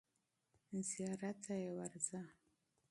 زیارت ته یې ورځه.